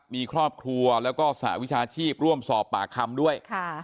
มีครอบครัวแล้วก็สหวิชาชีพร่วมสอบปากคำด้วย